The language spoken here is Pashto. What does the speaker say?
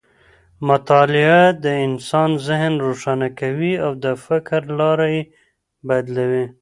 مطالعه د انسان ذهن روښانه کوي او د فکر لاره یې بدلوي.